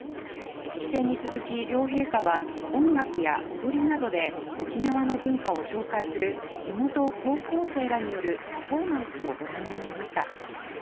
式典に続き両陛下は音楽や踊りなどで沖縄の文化を紹介する地元高校生らによるパフォーマンスをご覧になりました。